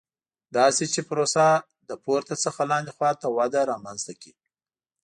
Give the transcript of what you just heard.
داسې چې پروسه له پورته څخه لاندې خوا ته وده رامنځته کړي.